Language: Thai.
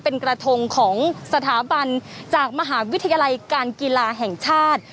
เป็นกระทงของสถาบันจากมหาวิทยาลัยการกีฬาแห่งชาติ